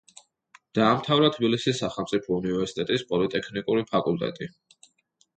დაამთავრა თბილისის სახელმწიფო უნივერსიტეტის პოლიტექნიკური ფაკულტეტი.